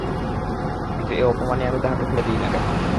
কিন্তু এ অপমান আমিই তাহাকে ফিরাইয়া দিই না কেন।